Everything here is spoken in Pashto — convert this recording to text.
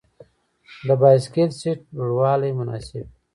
د بایسکل سیټ لوړوالی مناسب وي.